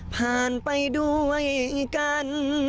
ผ่านไปด้วยกัน